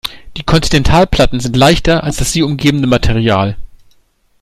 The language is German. Die Kontinentalplatten sind leichter als das sie umgebende Material.